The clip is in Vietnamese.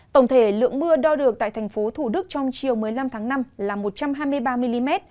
tổng thể lượng mưa đo được tại thành phố thủ đức trong chiều một mươi năm tháng năm là một trăm hai mươi ba mm